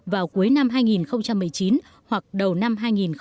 vào cuối năm hai nghìn một mươi chín hoặc đầu năm hai nghìn hai mươi